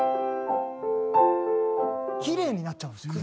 キレイになっちゃうんですよ。